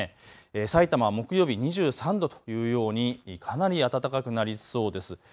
さいたまは木曜日、２３度というようにかなり暖かくなりそうです。